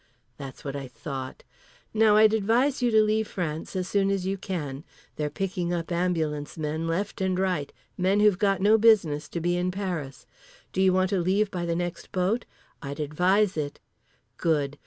That's what I thought. Now I'd advise you to leave France as soon as you can. They're picking up ambulance men left and right, men who've got no business to be in Paris. Do you want to leave by the next boat? I'd advise it. Good.